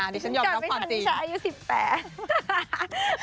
ดิฉันยอมรับความจริงดิฉันอายุ๑๘